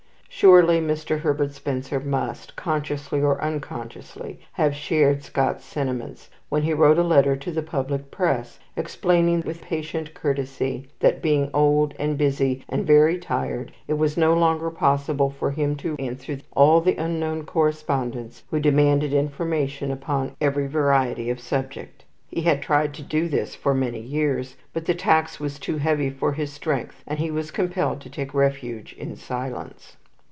Surely Mr. Herbert Spencer must, consciously or unconsciously, have shared Scott's sentiments, when he wrote a letter to the public press, explaining with patient courtesy that, being old, and busy, and very tired, it was no longer possible for him to answer all the unknown correspondents who demanded information upon every variety of subject. He had tried to do this for many years, but the tax was too heavy for his strength, and he was compelled to take refuge in silence.